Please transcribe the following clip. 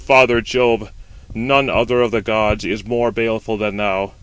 "Ο father Jove, none other of the gods is more baleful than thou.